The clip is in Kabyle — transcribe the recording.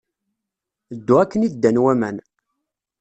Ddu akken i ddan waman.